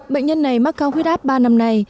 bệnh nhân này mắc cao huyết áp ba năm nay